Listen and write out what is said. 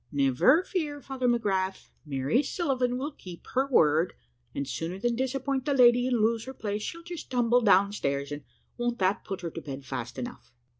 "`Never fear, Father McGrath, Mary Sullivan will keep her word; and sooner than disappoint the lady, and lose her place, she'll just tumble downstairs, and won't that put her to bed fast enough?'